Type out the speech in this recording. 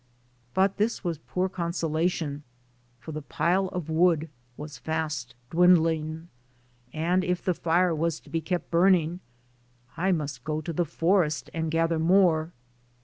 But this was poor consolation for the pile of wood was fast dwindling, and if the fire was to be kept burning, I must go to the forest and gather more.